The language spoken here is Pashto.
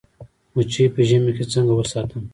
مچۍ په ژمي کې څنګه وساتم؟